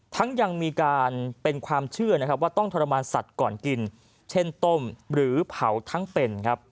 ยังมีการเป็นความเชื่อนะครับว่าต้องทรมานสัตว์ก่อนกินเช่นต้มหรือเผาทั้งเป็นครับ